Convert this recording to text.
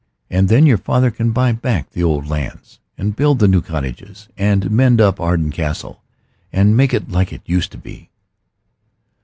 And then your father can buy back the old lands, and build the new cottages and mend up Arden Castle, and make it like it used to be."